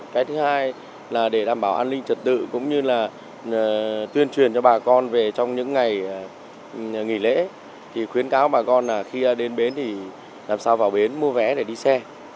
cái thứ hai là để đảm bảo an ninh trật tự cũng như là tuyên truyền cho bà con về trong những ngày nghỉ lễ thì khuyến cáo bà con là khi đến bến thì làm sao vào bến mua vé để đi xe